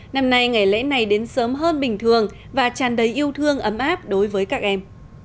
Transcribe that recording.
năm nay ngày lễ này đến sớm hơn bình thường và tràn đầy yêu thương ấm áp đối với các em